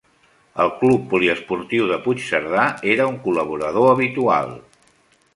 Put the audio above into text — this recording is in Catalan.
El Club Poliesportiu de Puigcerdà era un col·laborador habitual.